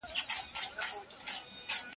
صالح عمل په دنيا کي څه نتيجه لري؟